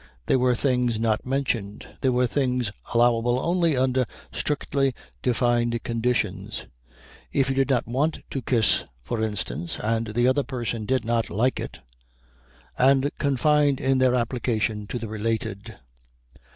They were things not mentioned. They were things allowable only under strictly defined conditions if you did not want to kiss, for instance, and the other person did not like it and confined in their application to the related.